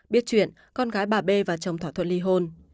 biết chuyện con gái bà b và chồng thỏa thuận ly hôn